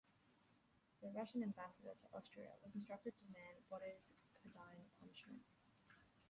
The Russian ambassador to Austria was instructed to demand Botta's condign punishment.